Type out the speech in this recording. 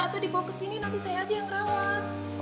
atau dibawa kesini nanti saya aja yang kerawat